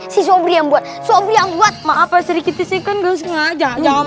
si sobre yang buat sobrang buat maaf sedikit disingkat nggak sengaja jangan